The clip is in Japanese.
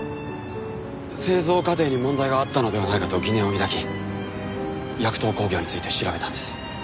製造過程に問題があったのではないかと疑念を抱きヤクトー工業について調べたんです。